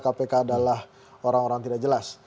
kpk adalah orang orang tidak jelas